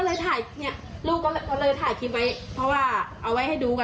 ที่หนูเอาไว้กว้าเกี่ยวช่วยนะคะ